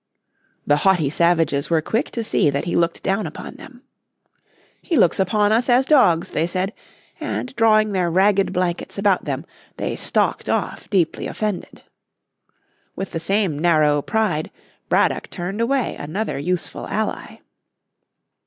The haughty savages were quick to see that he looked down upon them. "He looks upon us as dogs," they said, and drawing their ragged blankets about them they stalked off deeply offended. With the same narrow pride Braddock turned away another useful ally.